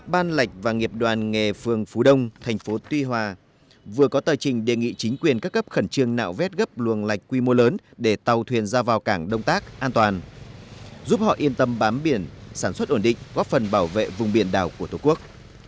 ban lạc và nghiệp đoàn nghề phương phú đông thành phố tuy hòa vừa có tờ trình đề nghị chính quyền các cấp khẩn trương nạo vét gấp luồng lạch quy mô lớn để tàu thuyền ra vào cảng đông tác an toàn giúp họ yên tâm bám biển sản xuất ổn định góp phần bảo vệ vùng biển đảo của tổ quốc